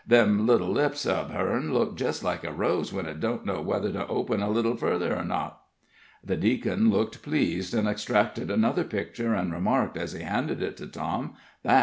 "Them little lips uv hern look jest like a rose when it don't know whether to open a little further or not." The deacon looked pleased, and extracted another picture, and remarked, as he handed it to Tom: "That's Pet's mother."